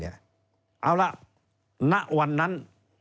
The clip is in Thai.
เอาละณวันนั้น